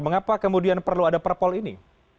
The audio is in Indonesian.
mengapa kemudian perlu ada perpol ini